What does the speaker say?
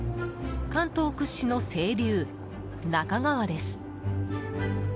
関東屈指の清流、那珂川です。